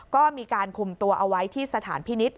ก็มีการคุมตัวเอาไว้ที่สถานพินิษฐ